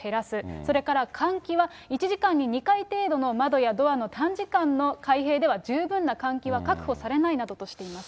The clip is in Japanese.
それから換気は１時間に２回程度の窓やドアの短時間の開閉では十分な換気は確保されないなどとしています。